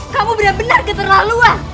kamu benar benar keterlaluan